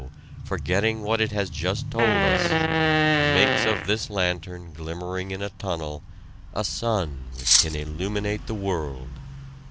forgetting what it has just told us, makes of this lantern glimmering in a tunnel a Sun which can illuminate the world."